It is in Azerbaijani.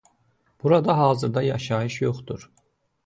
Burada hazırda yaşayış yoxdur.